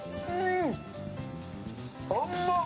甘っ！